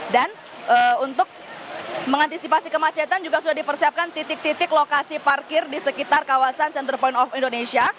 dan untuk mengantisipasi kemacetan juga sudah dipersiapkan titik titik lokasi parkir di sekitar kawasan center point of indonesia